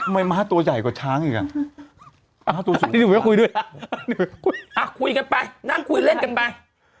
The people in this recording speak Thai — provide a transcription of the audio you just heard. ไม่ม้าตัวใหญ่กว่าช้างอีกอ่ะม้าตัวสูงคุยด้วยคุยกันไปนั่งคุยเล่นกันไป